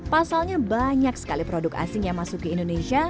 pasalnya banyak sekali produk asing yang masuk ke indonesia